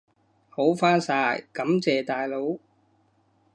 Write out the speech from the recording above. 好返晒，感謝大佬！